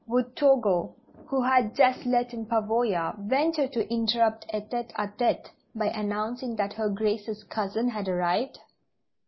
Would Togo, who had just let in Pavoya, venture to interrupt a tête à tête, by announcing that Her Grace's cousin had arrived?